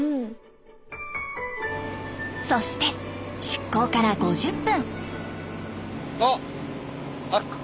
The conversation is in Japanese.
そして出航から５０分。